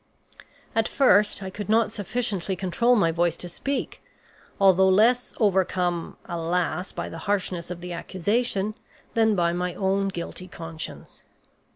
At first I could not sufficiently control my voice to speak, although less overcome, alas, by the harshness of the accusation than by my own guilty conscience.